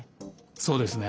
そうですね。